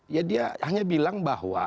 ya dia hanya bilang bahwa